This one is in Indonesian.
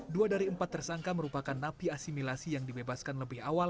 dua dari empat tersangka merupakan napi asimilasi yang dibebaskan lebih awal